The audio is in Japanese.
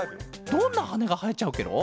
どんなはねがはえちゃうケロ？